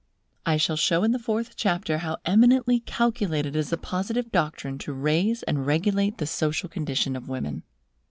I shall show in the fourth chapter how eminently calculated is the Positive doctrine to raise and regulate the social condition of women.